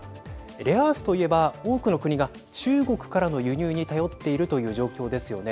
レアアースと言えば多くの国が中国からの輸入に頼っているという状況ですよね。